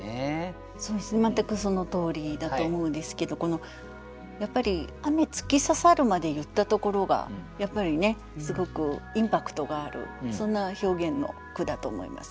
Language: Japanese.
全くそのとおりだと思うんですけどこのやっぱり「雨突き刺さる」まで言ったところがやっぱりねすごくインパクトがあるそんな表現の句だと思います。